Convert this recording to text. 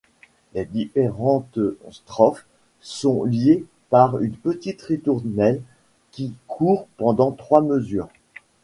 Les différentes strophes sont liées par une petite ritournelle qui court pendant trois mesures.